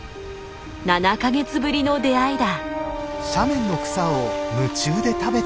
７か月ぶりの出会いだ。